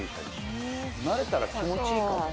慣れたら気持ちいいかも。